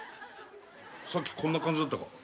さっきこんな感じだったか？